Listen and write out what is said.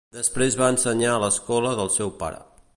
Després va ensenyar a l'escola del seu pare.